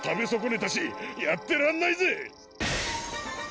ねたしやってらんないぜ！